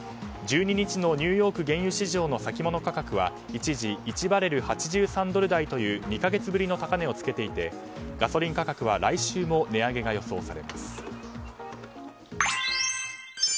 １２日のニューヨーク原油市場の先物価格は一時１バレル８３ドル台という２か月ぶりの高値を付けていてガソリン価格は来週も値上げが予想されます。